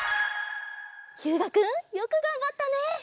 ひゅうがくんよくがんばったね。